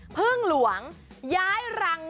พึ่งหลวงย้ายรัง